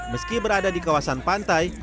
meski berada di kawasan pantai